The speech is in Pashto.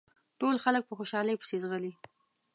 ټول خلک په خوشحالۍ پسې ځغلي.